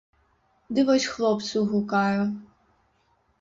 Ды вось хлопцу гукаю!